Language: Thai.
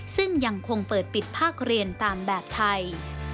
ซึ่งยังคงเปิดปิดภาคเรียนตามแบบไทย